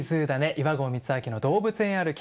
岩合光昭の動物園歩き」